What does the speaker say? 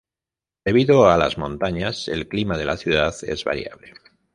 Debido a las montañas el clima de la ciudad es variable.